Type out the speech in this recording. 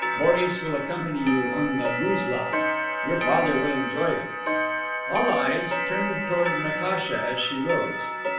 Boris will accompany you on the guzla. Your father will enjoy it." All eyes turned toward Natacha as she rose.